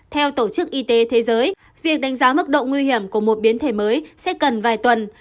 theo tổ chức y tế thế giới việc đánh giá mức độ nguy hiểm của một biến thể mới sẽ cần vài tuần